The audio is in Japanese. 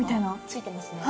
ついてますね。